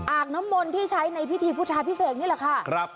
น้ำมนต์ที่ใช้ในพิธีพุทธาพิเศษนี่แหละค่ะ